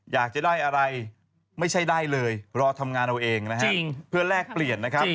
อยากจะได้อะไรไม่ใช่ได้เลยรอทำงานเราเองเพื่อแลกเปลี่ยน